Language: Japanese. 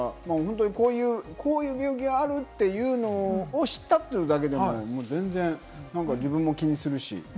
こういう病気があるというのを知ったというだけでも自分も気にするし。